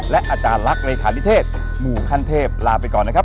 และอาจารย์ลักษณ์เลขานิเทศหมู่ขั้นเทพลาไปก่อนนะครับ